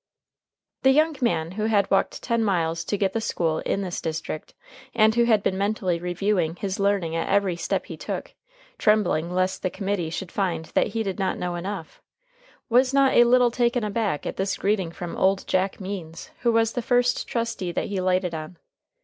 The young man, who had walked ten miles to get the school in this district, and who had been mentally reviewing his learning at every step he took, trembling lest the committee should find that he did not know enough, was not a little taken aback at this greeting from "old Jack Means," who was the first trustee that he lighted on.